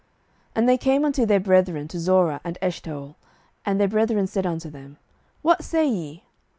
07:018:008 And they came unto their brethren to Zorah and Eshtaol: and their brethren said unto them, What say ye?